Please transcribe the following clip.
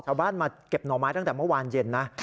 มาเก็บหน่อไม้ตั้งแต่เมื่อวานเย็นนะ